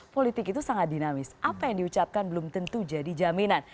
politik itu sangat dinamis apa yang diucapkan belum tentu jadi jaminan